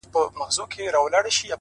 o پر وجود څه ډول حالت وو اروا څه ډول وه،